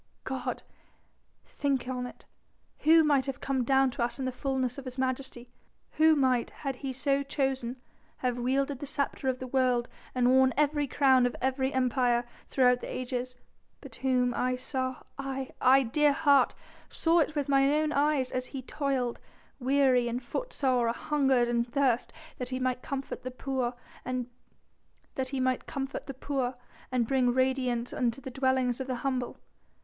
God think on it! who might have come down to us in the fullness of His Majesty, Who might, had He so chosen, have wielded the sceptre of the world and worn every crown of every empire throughout the ages, but Whom I saw aye, I, dear heart saw with mine own eyes as He toiled, weary, footsore, anhungered, and athirst, that He might comfort the poor and bring radiance into the dwellings of the humble.